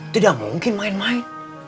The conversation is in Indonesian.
tidak mungkin main main